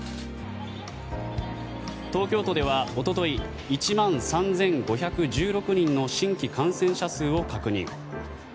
東京都では、おととい１万３５１６人の新規感染者数を確認。